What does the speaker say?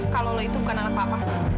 kalau kamu itu bukan anak papa